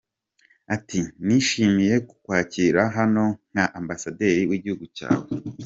Ati “ Nishimiye kukwakira hano nka Ambasaderi w’igihugu cyawe.